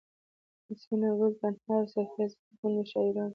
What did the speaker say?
حسينه ګل تنها او صفيه صديقي غوندې شاعرانو